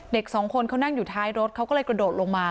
เด็กสองคนเขานั่งอยู่ท้ายรถเขาก็เลยกระโดดลงมา